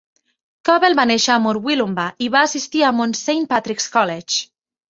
Covell va néixer a Murwillumbah i va assistir a Mount Saint Patrick's College.